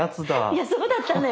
いやそうだったのよ。